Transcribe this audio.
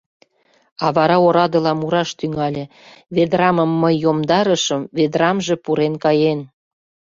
— А вара орадыла мураш тӱҥале: — «Ведрамым мый йомдарышым, ведрамже пурен каен...»